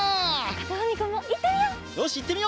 かずふみくんもいってみよう。